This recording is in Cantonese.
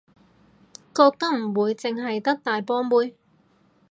覺得唔會淨係得大波妹